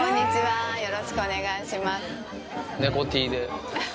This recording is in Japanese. よろしくお願いします。